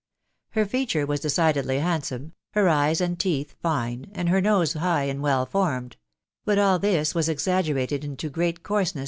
Her features were decidedly handsome, her eyes and *teeth fine, and her nose high and wefl fbrined ; but til thi*was exaggerated into great coarseness.